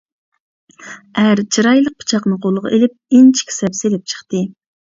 ئەر چىرايلىق پىچاقنى قولىغا ئېلىپ ئىنچىكە سەپ سېلىپ چىقتى.